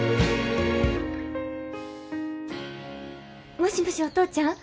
もしもしお父ちゃん。